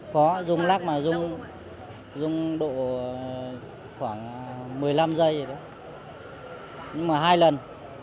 có rung lắc mà rung độ khoảng một mươi năm giây rồi đó nhưng mà hai lần